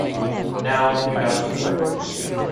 Now you have the floor.